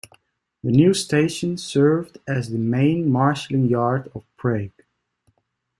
The new station served as the main marshalling yard of Prague.